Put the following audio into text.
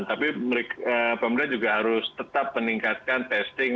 tapi pemerintah juga harus tetap meningkatkan testing